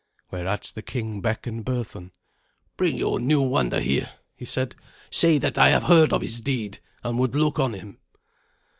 Whereat the king beckoned Berthun. "Bring your new wonder here," he said. "Say that I have heard of his deed, and would look on him."